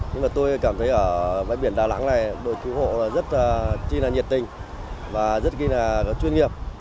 nhưng tôi cảm thấy ở bãi biển đà nẵng này đội cứu hộ rất nhiệt tình và rất chuyên nghiệp